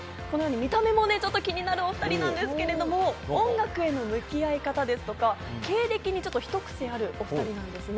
見た目もちょっと気になるお２人なんですが、音楽への向き合い方ですとか経歴にちょっとひとクセある、お２人なんですね。